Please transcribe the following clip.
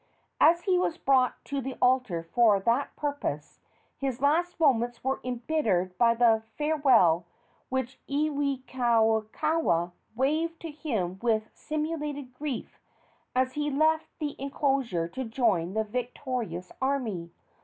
As he was brought to the altar for that purpose, his last moments were embittered by the farewell which Iwikauikaua waved to him with simulated grief as he left the enclosure to join the victorious army.